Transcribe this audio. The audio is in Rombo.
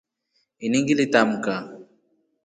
Ini ngilitamka.